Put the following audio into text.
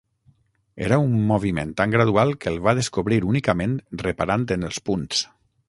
Era un moviment tan gradual que el va descobrir únicament reparant en els punts.